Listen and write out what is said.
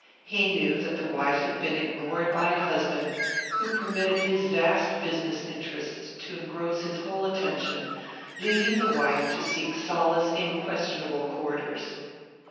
He knew that the wife had been ignored by a husband who permitted his vast business interests to engross his whole attention, leaving the wife to seek solace in questionable quarters.